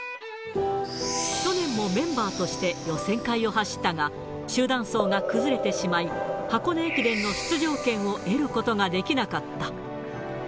去年もメンバーとして予選会を走ったが、集団走が崩れてしまい、箱根駅伝の出場権を得ることができなかった。